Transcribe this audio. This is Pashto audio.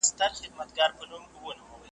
د جاهل په هدیره کي د مکتب خښته ایږدمه .